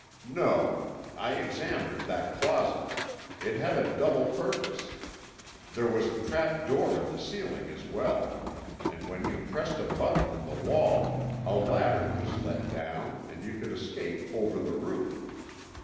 "No. I examined that closet. It had a double purpose. There was a trapdoor in the ceiling as well, and when you pressed a button in the wall a ladder was let down and you could escape over the roof.